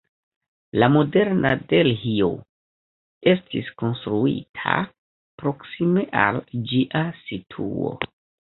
La moderna Delhio estis konstruita proksime al ĝia situo.